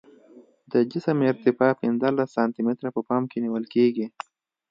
د جسم ارتفاع پنځلس سانتي متره په پام کې نیول کیږي